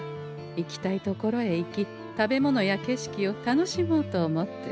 行きたいところへ行き食べ物や景色を楽しもうと思って。